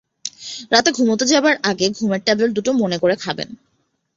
রাতে ঘুমুতে যাবার আগে ঘুমের ট্যাবলেট দুটা মনে করে খাবেন।